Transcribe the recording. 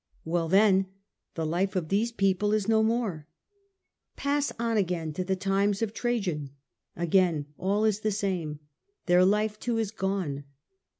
Well then, the life of these people is no more. Pass on again to the times of Trajan. Again all is the same. Their life too is gone.